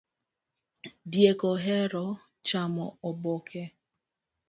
Diek ohero chamo oboke